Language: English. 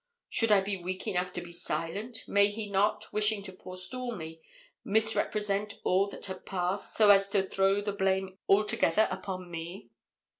Should I be weak enough to be silent, may he not, wishing to forestall me, misrepresent all that has passed, so as to throw the blame altogether upon me?'